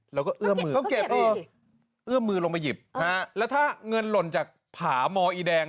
เราก็เอื้อมมือเอื้อมมือลงมาหยิบฮะแล้วถ้าเงินหล่นจากผามออีแดงอ่ะ